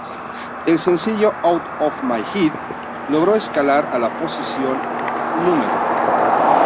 El sencillo "Out of My Head" logró escalar a la posición No.